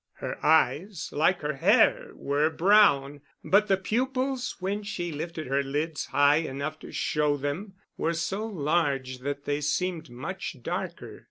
Her eyes, like her hair, were brown, but the pupils, when she lifted her lids high enough to show them, were so large that they seemed much darker.